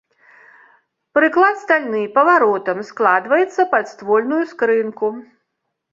Прыклад стальны, паваротам складваецца пад ствольную скрынку.